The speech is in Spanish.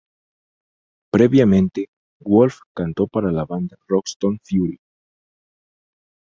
Previamente, Wolf cantó para la banda de rock Stone Fury.